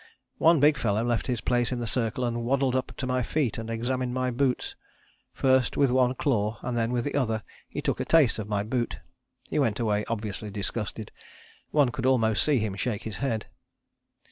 One big fellow left his place in the circle and waddled up to my feet and examined my boots. First with one claw and then with the other he took a taste of my boot. He went away obviously disgusted: one could almost see him shake his head.